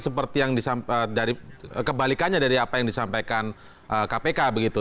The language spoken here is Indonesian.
seperti yang kebalikannya dari apa yang disampaikan kpk begitu